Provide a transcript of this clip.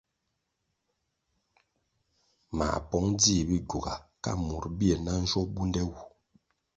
Mā pong djih Bigyuga ka murʼ birʼ na njwo bunde wu.